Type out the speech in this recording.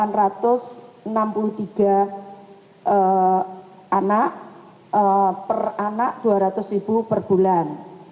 nah ini adalah per anak rp dua ratus per bulan